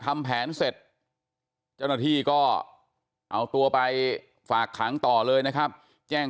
ทำแผนเสร็จเจ้าหน้าที่ก็เอาตัวไปฝากขังต่อเลยนะครับแจ้ง